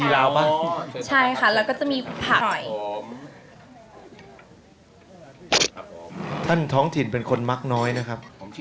พี่แจ๊คทานเหมือนซุปน้ำซุปเลยนะฮะ